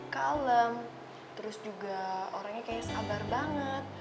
kalem terus juga orangnya kayak sabar banget